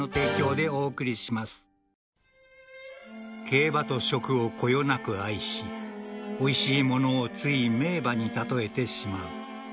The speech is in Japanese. ［競馬と食をこよなく愛しおいしいものをつい名馬に例えてしまう］